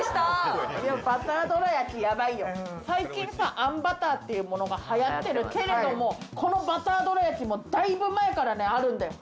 最近あんバターっていうものが流行ってるけれども、このバターどらやきも、だいぶ前からあるんだよ。